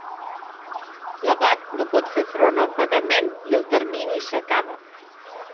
L'abat no pot fer front al pagament i el termini s'acaba.